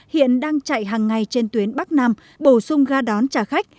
hiện đang chạy hàng ngày trên tuyến bắc nam bổ sung ga đón trả khách